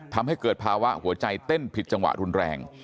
ทำให้เกิดภาวะหัวใจเต้นผิดจังหวะรุนแรง